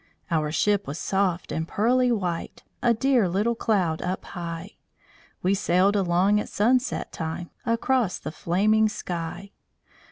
Our ship was soft and pearly white A dear little cloud up high. We sailed along at sunset time, Across the flaming sky.